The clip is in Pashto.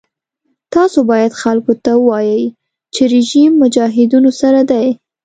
تاسو باید خلکو ته ووایئ چې رژیم مجاهدینو سره دی.